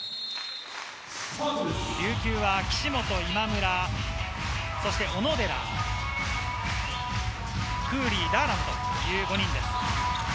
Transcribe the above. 琉球は岸本、今村、小野寺、クーリー、ダーラムという５人です。